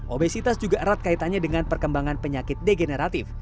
obesitas juga erat kaitannya dengan perkembangan penyakit degeneratif